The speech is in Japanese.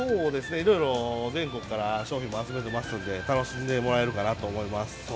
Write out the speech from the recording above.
いろいろ全国から商品も集めていますので、楽しんでもらえるかなと思います。